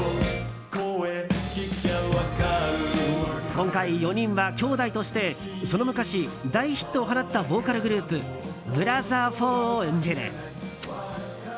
今回４人は兄弟としてその昔、大ヒットを放ったボーカルグループブラザー４を演じる。